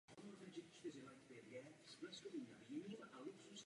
Obviňujeme Japonsko z nedbalosti.